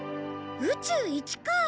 宇宙一か！